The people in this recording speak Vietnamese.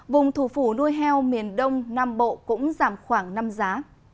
vùng thủ phủ nuôi heo miền đông nam bộ cũng giảm khoảng năm giá